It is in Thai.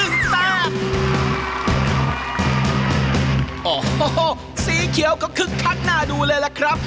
โอ้โหสีเขียวก็คึกคักน่าดูเลยล่ะครับ